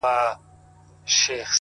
غربت مي شپې يوازي کړيدي تنها يمه زه;